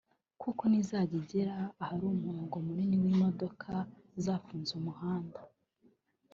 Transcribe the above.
kuko nizajya igera ahari umurongo munini w’imodoka zafunze umuhanda